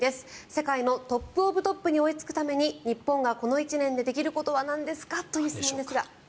世界のトップオブトップに追いつくために日本がこの１年でできることはなんですかという質問ですが。